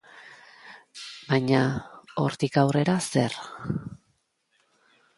Baina, hortik aurrera zer?